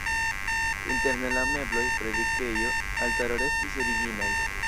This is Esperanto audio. Interne la mebloj, predikejo, altaro restis originaj.